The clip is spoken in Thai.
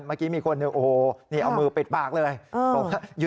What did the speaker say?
เมื่อกี้มีคนโอ้โฮเอามือเปิดปากเลย